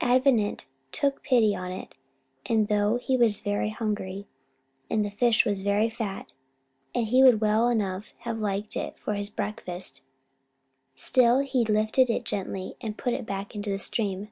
Avenant took pity on it, and though he was very hungry, and the fish was very fat, and he would well enough have liked it for his breakfast, still he lifted it gently and put it back into the stream.